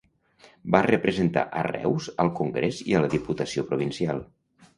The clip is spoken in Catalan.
Va representar a Reus al Congrés i a la Diputació Provincial.